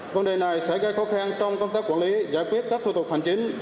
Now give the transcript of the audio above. vấn đề này sẽ gây khó khăn trong công tác quản lý giải quyết các thủ tục hành chính